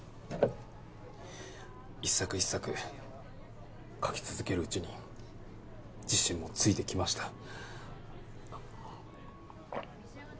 一作一作描き続けるうちに自信もついてきました。